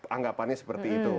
anggapannya seperti itu